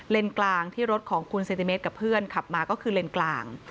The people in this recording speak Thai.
กลางที่รถของคุณเซนติเมตรกับเพื่อนขับมาก็คือเลนกลาง